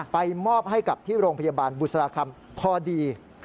มอบให้กับที่โรงพยาบาลบุษราคำพอดี